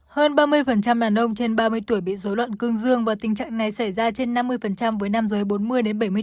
hơn ba mươi đàn ông trên ba mươi tuổi bị dối loạn cương dương và tình trạng này xảy ra trên năm mươi với nam giới bốn mươi bảy mươi